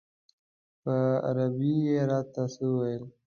په عربي یې راته څه وویل.